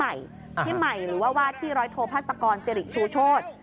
ที่ใหม่หรือว่าที่ร้อยโทรภาษากรเซริชูโชธ